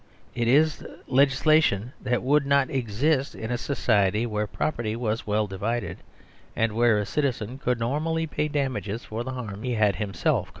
It is legislation that would not exist in a society where property was well divided and where a citizen could normally pay damages for the harm he had himself caused.